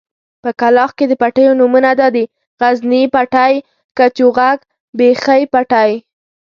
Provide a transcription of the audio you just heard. په کلاخ کې د پټيو نومونه دادي: غزني پټی، کچوغک، بېخۍ پټی.